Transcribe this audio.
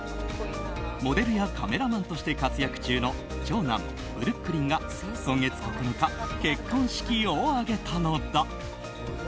モデルやカメラマンとして活躍中の長男ブルックリンが、今月９日結婚式を挙げたのだ。